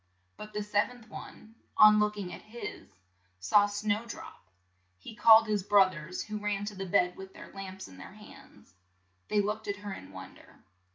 But the sev enth one, on look ing at his, saw Snow drop. He called his broth ers, who ran to the bed with their lamps in their hands. They looked at her in won der.